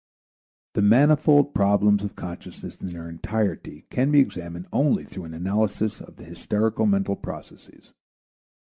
The manifold problems of consciousness in their entirety can be examined only through an analysis of the hysterical mental process.